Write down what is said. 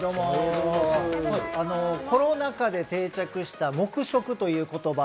コロナ禍で定着した黙食という言葉。